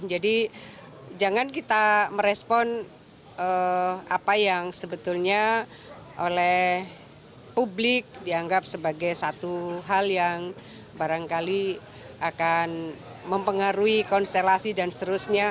jadi jangan kita merespon apa yang sebetulnya oleh publik dianggap sebagai satu hal yang barangkali akan mempengaruhi konstelasi dan seterusnya